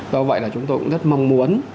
do vậy là chúng tôi cũng rất mong muốn